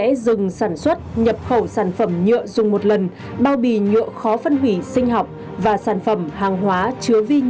trừ trường hợp sản xuất nhập khẩu sản phẩm nhựa dùng một lần bao bì nhựa khó phân hủy sinh học